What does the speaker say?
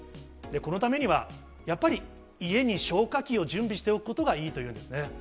このためにはやっぱり家に消火器を準備しておくことがいいというんですね。